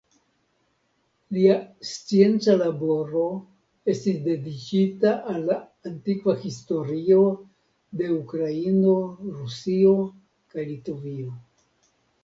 Lia scienca laboro estis dediĉita al la antikva historio de Ukraino, Rusio kaj Litovio.